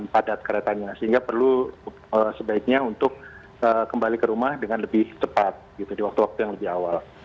padat keretanya sehingga perlu sebaiknya untuk kembali ke rumah dengan lebih cepat di waktu waktu yang lebih awal